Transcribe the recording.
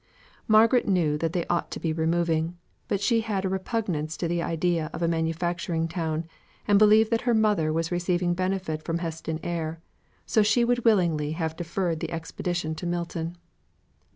Margaret knew that they ought to be removing; but she had a repugnance to the idea of a manufacturing town, and believed that her mother was receiving benefit from Heston air, so she would willingly have deferred the expedition to Milton.